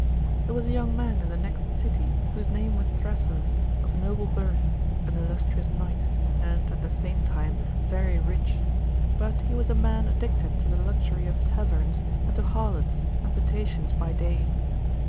There was a young man in the next city, whose name was Thrasyllus, of noble birth, an illustrious knight, and, at the same time, very rich ; but he was a man addicted to the luxury of taverns, and to harlots, and potations by day.